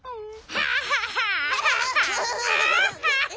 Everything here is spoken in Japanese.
ハハハハハ。